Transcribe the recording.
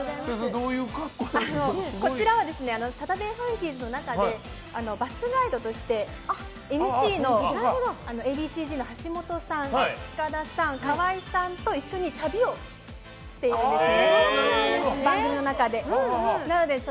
こちらは「サタデーファンキーズ」の中でバスガイドとしてＭＣのＡ．Ｂ．Ｃ‐Ｚの橋本さん塚田さん、河合さんと一緒に旅をしているんです、番組の中で。